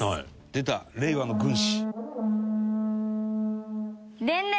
出た令和の軍師。